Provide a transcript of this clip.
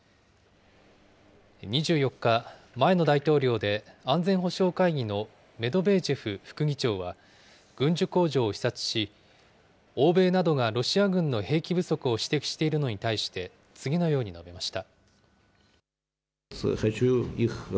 ２４日、前の大統領で安全保障会議のメドベージェフ副議長は、軍需工場を視察し、欧米などがロシア軍の兵器不足を指摘しているのに対して、次のように述べました。